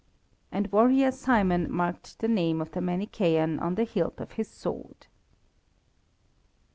And warrior Simon marked the name of the Manichæan on the hilt of his sword.